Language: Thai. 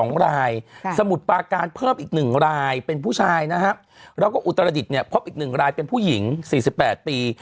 สองรายสมุดปาการเพิ่มอีกหนึ่งรายเป็นผู้ชายนะฮะแล้วก็อุตรดิษฐ์เนี่ยเพิ่มอีกหนึ่งรายเป็นผู้หญิงสี่สิบแปดปี